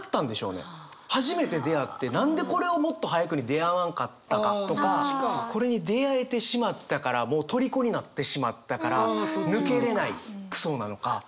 初めて出会って何でこれをもっと早くに出会わんかったかとかこれに出会えてしまったからもうとりこになってしまったから抜けれない「クソ」なのか。